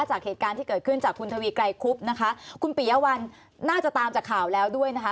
จากเหตุการณ์ที่เกิดขึ้นจากคุณทวีไกรคุบนะคะคุณปิยะวันน่าจะตามจากข่าวแล้วด้วยนะคะ